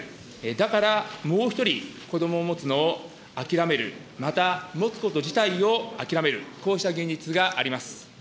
だから、もう１人、子どもを持つのを諦める、また、持つこと自体を諦める、こうした現実があります。